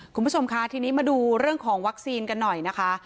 คุณผู้ชมค่ะทีนี้มาดูเรื่องของวัคซีนกันหน่อยนะคะ